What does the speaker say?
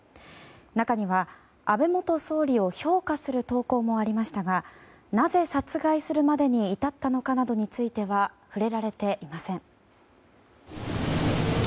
中には安倍元総理を評価する投稿もありましたがなぜ、殺害するまでに至ったのかなどについては触れられていません。